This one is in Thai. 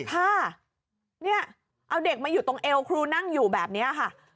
ค่ะเนี่ยเอาเด็กมาอยู่ตรงเอวครูนั่งอยู่แบบนี้ค่ะ